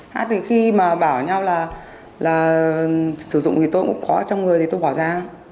hát thì khi mà bảo nhau là sử dụng thì tôi cũng có trong người thì tôi bỏ ra